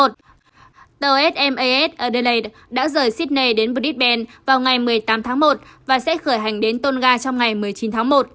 tàu smas adelaide đã rời sipee đến bdn vào ngày một mươi tám tháng một và sẽ khởi hành đến tonga trong ngày một mươi chín tháng một